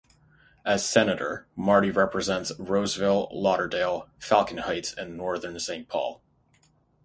As senator, Marty represents Roseville, Lauderdale, Falcon Heights, and northern Saint Paul.